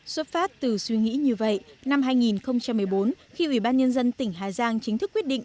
xuất phát từ suy nghĩ như vậy năm hai nghìn một mươi bốn khi ủy ban nhân dân tỉnh hà giang chính thức quyết định